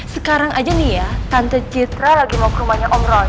sekarang aja nih ya tante citra lagi mau ke rumahnya om ros